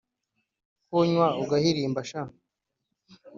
ko unywa ugahirimba sha